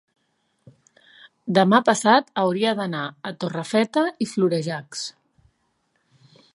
demà passat hauria d'anar a Torrefeta i Florejacs.